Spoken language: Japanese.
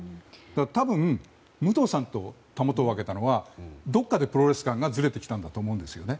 多分、武藤さんとたもとを分けたのはどこかでプロレス観がずれてきたんだと思うんです。